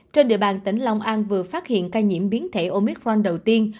trên địa bàn tỉnh long an vừa phát hiện ca nhiễm biến thể omicron đầu tiên